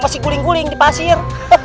masih guling guling di pasir